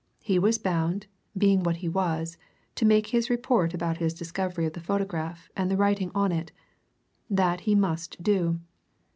He was bound, being what he was, to make his report about his discovery of the photograph and the writing on it. That he must do.